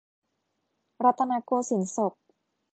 รัตนโกสินทรศก